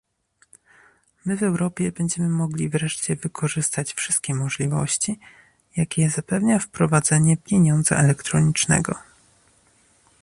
My w Europie będziemy mogli wreszcie wykorzystać wszystkie możliwości, jakie zapewnia wprowadzenie pieniądza elektronicznego